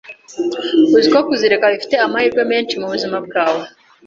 uziko kuzireka bifite amahirwe menshi mubuzima bwawe